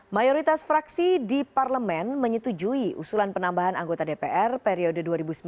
mayoritas fraksi di parlemen menyetujui usulan penambahan anggota dpr periode dua ribu sembilan belas dua ribu dua puluh